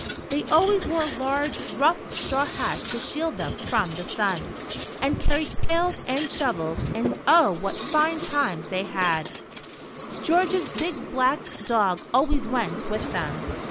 They always wore large, rough 90 The Shadow. straw hats to shield them from the sun, and carried pails and shovels, and oh, what fine times they had ! George's big black dog always went with them.